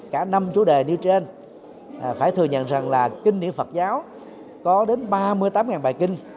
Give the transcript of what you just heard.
cả năm chủ đề như trên phải thừa nhận rằng là kinh điển phật giáo có đến ba mươi tám bài kinh